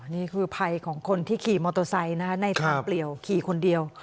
นี่คือภัยของคนที่ขี่มอเตอร์ไซค์ในทางเปลี่ยวขี่คนเดียว